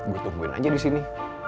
gue tungguin aja di sini